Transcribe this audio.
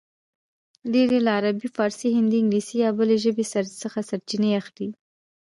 ډېر یې له عربي، فارسي، هندي، انګلیسي یا بلې ژبې څخه سرچینې اخلي